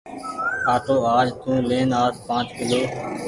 آٽو آج تو لين آس پآنچ ڪلو۔